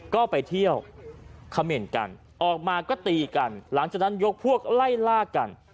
ก็ไปเที่ยวเขม่นกันออกมาก็ตีกันหลังจากนั้นยกพวกไล่ล่ากัน